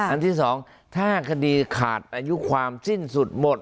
อันที่๒ถ้าคดีขาดอายุความสิ้นสุดหมด